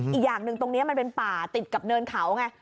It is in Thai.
อีกอย่างหนึ่งตรงนี้มันเป็นป่าติดกับเนินเขาไง